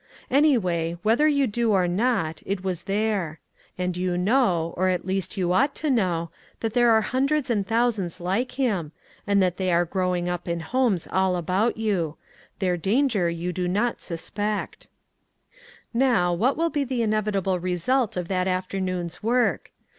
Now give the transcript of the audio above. Anyway, whether you do or not, it was there. And you know, or at least you ought to know, that there are hundreds A VICTIM OF CIRCUMSTANCE. 145 and thousands like him, and that they are growing up in homes all about you — their danger you do not suspect. Now, what will be the inevitable result of that after noon's work?